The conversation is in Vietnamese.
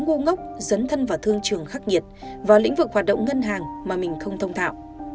tức là một lúc ngốc dấn thân vào thương trường khắc nhiệt vào lĩnh vực hoạt động ngân hàng mà mình không thông thạo